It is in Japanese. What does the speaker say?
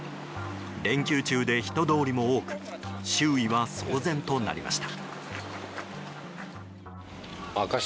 連休中で人通りも多く周囲は騒然となりました。